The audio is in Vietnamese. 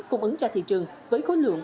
cung ứng ra thị trường với khối lượng